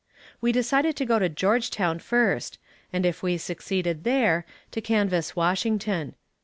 We decided to go to Georgetown first and if we succeeded there, to canvass Washington.